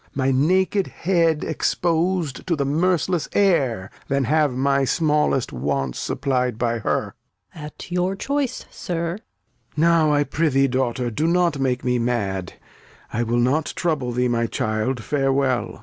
My naked Head expos'd to th' merc'less Air, Than have my smallest Wants supply'd by her. Gon. At your Choice, Sir. Lear. Now, I prithee Daughter, do not make me mad ; I will not trouble thee, my Child, farewell.